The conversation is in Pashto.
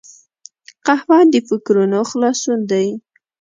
قهوه د فکرونو خلاصون دی